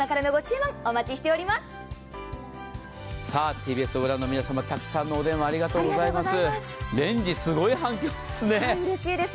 ＴＢＳを御覧の皆様、たくさんのお電話ありがとうございます。